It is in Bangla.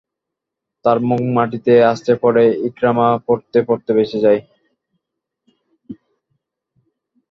তার মুখ মাটিতে আছড়ে পড়ে ইকরামা পড়তে পড়তে বেঁচে যায়।